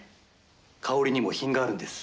香りにも品があるんです。